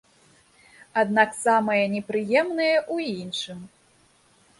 Аднак самае непрыемнае ў іншым.